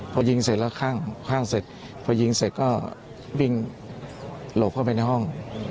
พอยิงเสร็จแล้วข้างเสร็จพอยิงเสร็จก็วิ่งหลบเข้าไปในห้อง